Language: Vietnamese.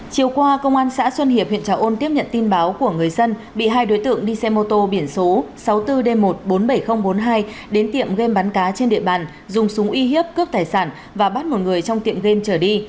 chiều qua công an xã xuân hiệp huyện trà ôn tiếp nhận tin báo của người dân bị hai đối tượng đi xe mô tô biển số sáu mươi bốn d một trăm bốn mươi bảy nghìn bốn mươi hai đến tiệm game bắn cá trên địa bàn dùng súng uy hiếp cướp tài sản và bắt một người trong tiệm game trở đi